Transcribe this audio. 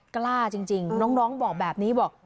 กล้าจริงน้องบอกแบบนี้บอก